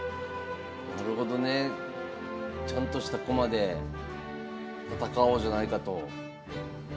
なるほどねちゃんとした駒で戦おうじゃないかと。